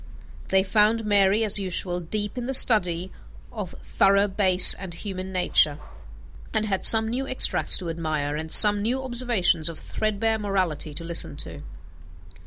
They found Mary, as usual, deep in the study of thorough bass and human nature; and had some new extracts to admire and some new observations of threadbare morality to listen to.